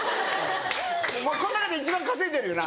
この中で一番稼いでるよな。